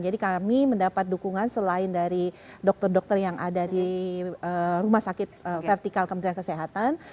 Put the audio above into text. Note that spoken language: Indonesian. jadi kami mendapat dukungan selain dari dokter dokter yang ada di rumah sakit vertikal kementerian kesehatan